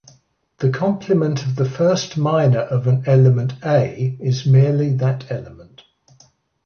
The complement of the first minor of an element "a" is merely that element.